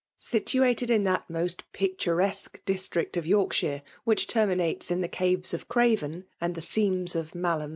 Situated in that most picturesque district of Yorkshire ivhich terminates in the Caves of Craven, and the Seams of Malham 158 F£MALB DOMINATION.